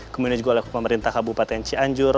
kemudian juga oleh pemerintah kabupaten cianjur